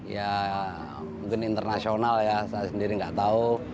ya mungkin internasional ya saya sendiri nggak tahu